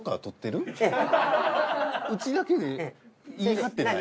うちだけで言い張ってない？